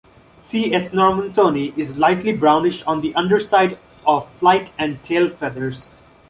"C. s. normantoni" is lightly brownish on the underside of flight and tail feathers.